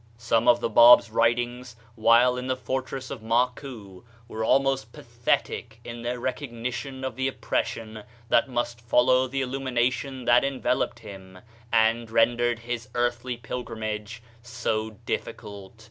Some of the Bab's writings, while in the fort ress of Makou, were almost pathetic in their recognition of the oppression that must follow the illumination that enveloped him, and ren dered his earthly pilgrimage so difficult.